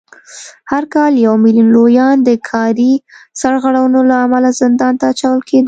هر کال یو میلیون لویان د کاري سرغړونو له امله زندان ته اچول کېدل